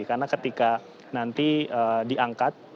karena ketika nanti diangkat